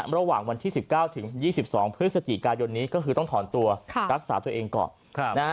ระหว่างวันที่๑๙ถึง๒๒พฤศจิกายนนี้ก็คือต้องถอนตัวรักษาตัวเองก่อน